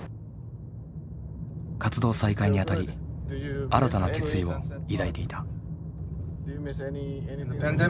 活動再開にあたり新たな決意を抱いていた。